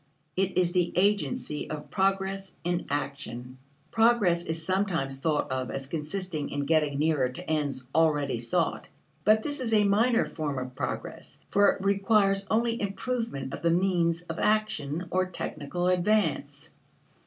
It is the agency of progress in action. Progress is sometimes thought of as consisting in getting nearer to ends already sought. But this is a minor form of progress, for it requires only improvement of the means of action or technical advance.